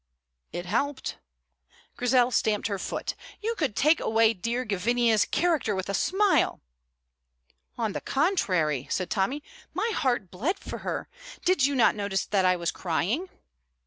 "It helped." Grizel stamped her foot. "You could take away dear Gavinia's character with a smile!" "On the contrary," said Tommy, "my heart bled for her. Did you not notice that I was crying?"